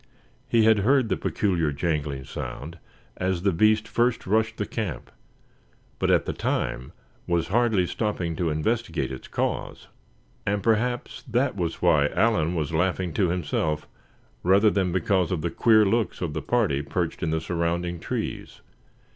He had heard the peculiar jangling sound as the beast first rushed the camp; but at the time was hardly stopping to investigate its cause. And perhaps that was why Allan was laughing to himself, rather than because of the queer looks of the party perched in the surrounding trees.